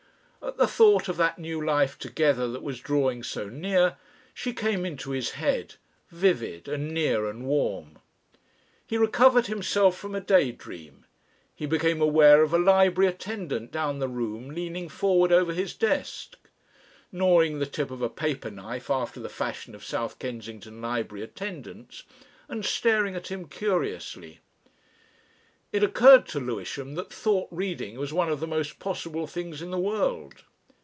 At the thought of that new life together that was drawing so near, she came into his head, vivid and near and warm.... He recovered himself from a day dream. He became aware of a library attendant down the room leaning forward over his desk, gnawing the tip of a paper knife after the fashion of South Kensington library attendants, and staring at him curiously. It occurred to Lewisham that thought reading was one of the most possible things in the world.